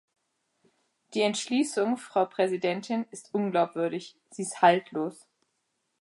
Die Entschließung, Frau Präsidentin, ist unglaubwürdig, sie ist haltlos.